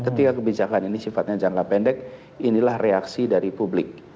ketika kebijakan ini sifatnya jangka pendek inilah reaksi dari publik